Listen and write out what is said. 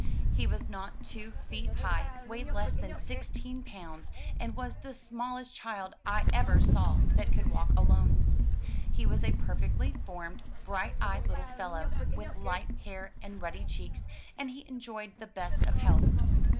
He was not two feet high, weighed less than sixteen pounds, and was the smallest child I ever saw that could walk alone. He was a perfectly formed, bright eyed little fellow, with light hair and ruddy cheeks, and he enjoyed the best of health.